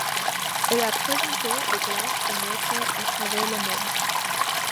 Elle a présenté des classes de maître à travers le monde.